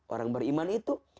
orang beriman itu